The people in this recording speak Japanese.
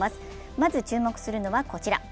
まず注目するのは、こちら。